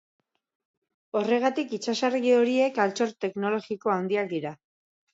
Horregatik, itsasargi horiek altxor teknologiko handiak dira.